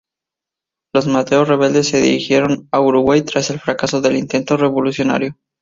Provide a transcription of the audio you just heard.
Los Meteor rebeldes se dirigieron a Uruguay tras el fracaso del intento revolucionario.